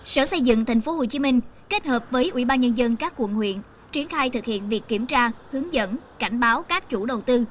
sở xây dựng tp hcm kết hợp với ubnd các quận huyện triển khai thực hiện việc kiểm tra hướng dẫn cảnh báo các chủ đầu tư